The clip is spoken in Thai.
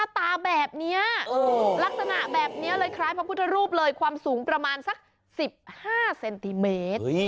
ตาแบบนี้ลักษณะแบบนี้เลยคล้ายพระพุทธรูปเลยความสูงประมาณสัก๑๕เซนติเมตร